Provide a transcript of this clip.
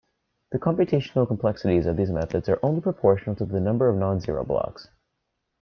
The computational complexities of these methods are only proportional to the number of non-zero blocks.